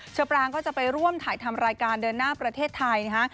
อปรางก็จะไปร่วมถ่ายทำรายการเดินหน้าประเทศไทยนะฮะ